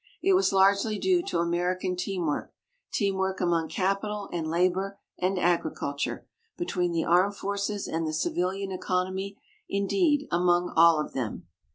It was largely due to American teamwork teamwork among capital and labor and agriculture, between the armed forces and the civilian economy indeed among all of them.